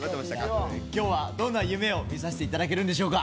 今日はどんな夢を見させて頂けるんでしょうか？